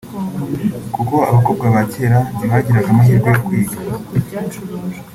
kuko abakobwa ba kera ntibagiraga amahirwe yo kwiga